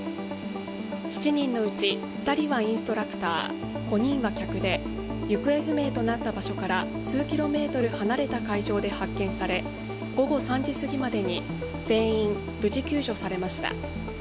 ７人のうち２人はインストラクター、５人は客で、行方不明となった場所から数キロメートル離れた海上で発見され、午後３時すぎまでに全員、無事救助されました。